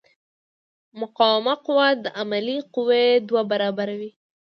مقاومه قوه د عاملې قوې دوه برابره وي.